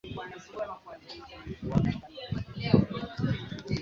Umbali baina yao ilikuwa hatua tat utu kutoka kwake